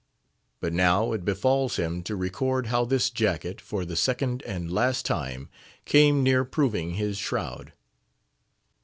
But now it befalls him to record how this jacket, for the second and last time, came near proving his shroud.